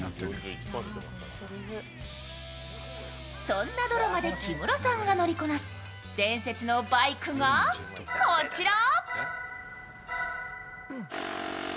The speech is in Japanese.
そんなドラマで木村さんが乗りこなす伝説のバイクが、こちら。